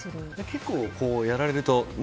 結構やられると。